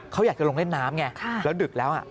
เขาอยากจะลงเล่นน้ำไงแล้วดึกแล้ว